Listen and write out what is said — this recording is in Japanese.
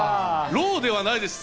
ローではないです。